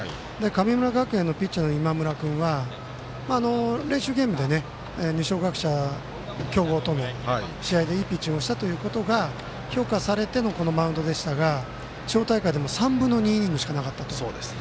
神村学園のピッチャーの今村君は練習ゲームで二松学舎、強豪とも試合でいいピッチングをしたということが評価されてのこのマウンドでしたが地方大会でも３分の２イニングしかなかったんです。